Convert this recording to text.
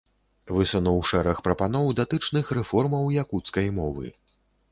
Высунуў шэраг прапаноў, датычных рэформаў якуцкай мовы.